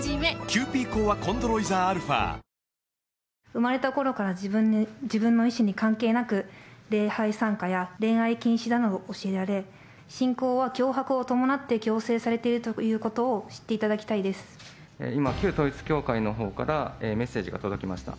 生まれたころから自分の意思に関係なく、礼拝参加や恋愛禁止などを教えられ、信仰は脅迫を伴って強制されているということを知っていただきた今、旧統一教会のほうからメッセージが届きました。